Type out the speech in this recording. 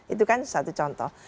itu kan satu contoh